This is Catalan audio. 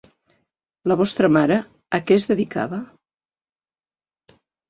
La vostra mare, a què es dedicava?